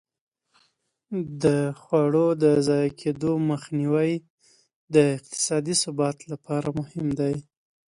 د خواړو د ضایع کېدو مخنیوی د اقتصادي ثبات لپاره مهم دی.